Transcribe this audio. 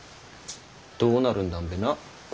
どうなるんだんべなぁ。